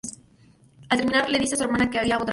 Al terminar le dice a su hermana que había otra alma.